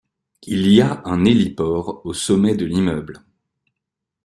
Il y a un héliport au sommet de l'immeuble.